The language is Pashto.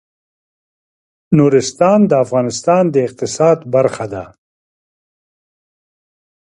نورستان د افغانستان د اقتصاد برخه ده.